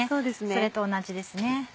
それと同じですね。